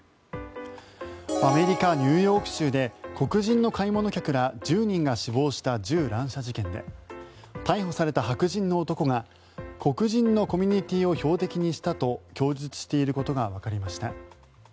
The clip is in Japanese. アメリカ・ニューヨーク州で黒人の買い物客ら１０人が死亡した銃乱射事件で逮捕された白人の男が黒人のコミュニティーを標的にしたと供述していることがわかりました。